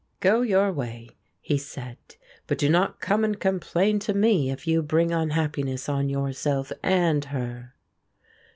"Go your way," he said, "but do not come and complain to me if you bring unhappiness on yourself and her."